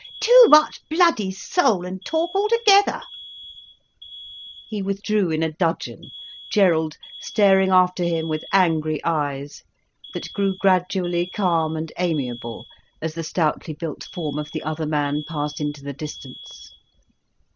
"Too much bloody soul and talk altogether—" He withdrew in a dudgeon, Gerald staring after him with angry eyes, that grew gradually calm and amiable as the stoutly built form of the other man passed into the distance.